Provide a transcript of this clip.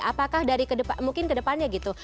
apakah dari ke depan mungkin ke depannya gitu